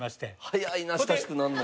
早いな親しくなるの。